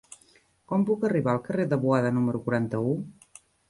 Com puc arribar al carrer de Boada número quaranta-u?